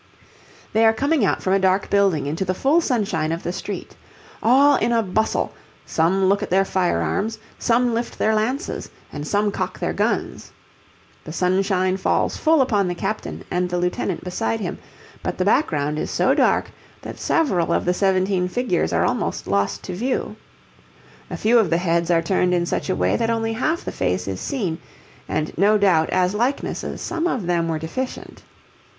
They are coming out from a dark building into the full sunshine of the street. All in a bustle, some look at their fire arms, some lift their lances, and some cock their guns. The sunshine falls full upon the captain and the lieutenant beside him, but the background is so dark that several of the seventeen figures are almost lost to view. A few of the heads are turned in such a way that only half the face is seen, and no doubt as likenesses some of them were deficient.